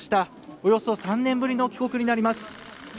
およそ３年ぶりの帰国になります。